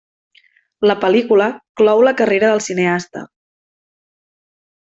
La pel·lícula clou la carrera del cineasta.